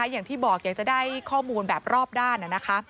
อย่างที่บอกอยากจะได้ข้อมูลแบบรอบด้านนะคะ